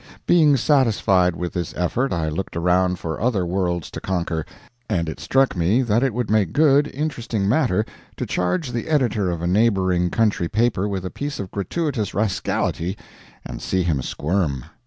Being satisfied with this effort I looked around for other worlds to conquer, and it struck me that it would make good, interesting matter to charge the editor of a neighboring country paper with a piece of gratuitous rascality and "see him squirm."